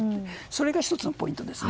それが１つのポイントです。